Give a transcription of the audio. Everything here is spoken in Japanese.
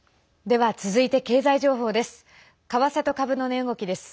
では、続いて経済情報です。